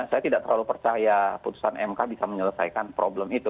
saya tidak terlalu percaya putusan mk bisa menyelesaikan problem itu